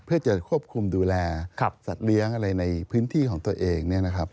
เพื่อจะควบคุมดูแลสัตว์เลี้ยงอะไรในพื้นที่ของตัวเอง